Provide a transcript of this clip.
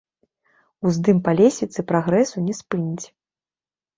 Уздым па лесвіцы прагрэсу не спыніць.